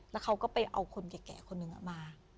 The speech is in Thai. แล้วเขาก็ไปเอาคนแก่คนหนึ่งมา